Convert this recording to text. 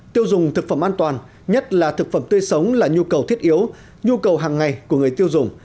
tiêu dùng thực phẩm an toàn nhất là thực phẩm tươi sống là nhu cầu thiết yếu nhu cầu hàng ngày của người tiêu dùng